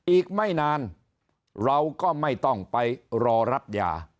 อีกไม่นานเราก็ไม่ต้องไปรอรับยา